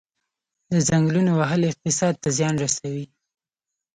د ځنګلونو وهل اقتصاد ته زیان رسوي؟